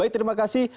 baik terima kasih